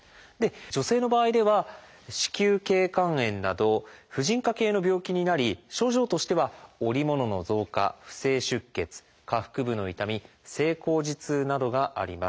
女性の場合では「子宮頸管炎」など婦人科系の病気になり症状としてはおりものの増加不正出血下腹部の痛み性交時痛などがあります。